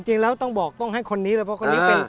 จริงแล้วต้องบอกต้องให้คนนี้เลยเพราะคนนี้เป็น